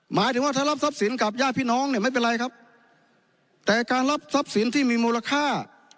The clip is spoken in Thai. หมายถึงว่าถ้ารับทรัพย์สินกับญาติพี่น้องเนี่ยไม่เป็นไรครับแต่การรับทรัพย์สินที่มีมูลค่า